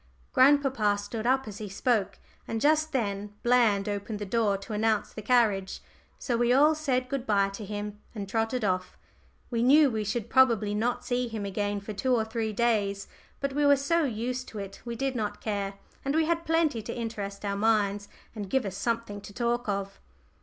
'" Grandpapa stood up as he spoke, and just then Bland opened the door to announce the carriage. So we all said good bye to him and trotted off. We knew we should probably not see him again for two or three days, but we were so used to it we did not care; and we had plenty to interest our minds and give us something to talk of.